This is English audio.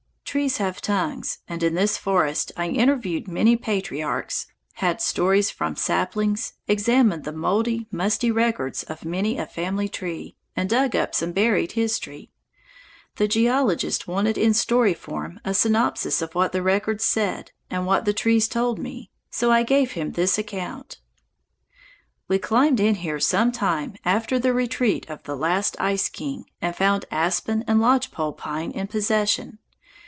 Trees have tongues, and in this forest I interviewed many patriarchs, had stories from saplings, examined the mouldy, musty records of many a family tree, and dug up some buried history. The geologist wanted in story form a synopsis of what the records said and what the trees told me, so I gave him this account: "We climbed in here some time after the retreat of the last Ice King and found aspen and lodge pole pine in possession.